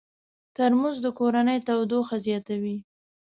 ترموز د کورنۍ تودوخه زیاتوي.